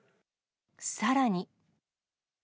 さらに。